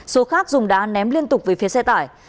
số khác dùng đá ném liên tục về phía xe tải